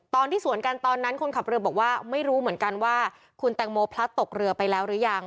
ตอนที่สวนกันตอนนั้นคนขับเรือบอกว่าไม่รู้เหมือนกันว่าคุณแตงโมพลัดตกเรือไปแล้วหรือยัง